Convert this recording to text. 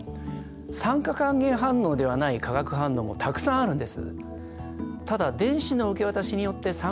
酸化還元反応ではない化学反応もたくさんあるんです。